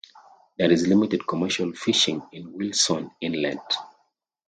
There is limited commercial fishing in Wilson Inlet.